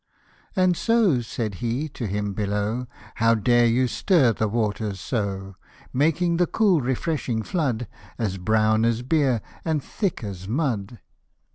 ' t And so," said he to him below, " How dare you stir the water so ? Making the cool refreshing flood As brown as beer, and thick as mud."